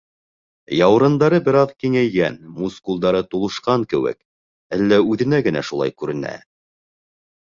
Яурындары бер аҙ киңәйгән, мускулдары тулышҡан кеүек, әллә үҙенә генә шулай күренә.